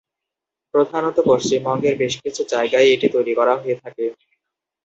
প্রধানত পশ্চিমবঙ্গের বেশকিছু জায়গায় এটি তৈরি করা হয়ে থাকে।